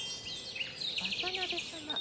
渡辺様？